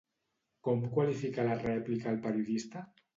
Com qualifica la rèplica el periodista?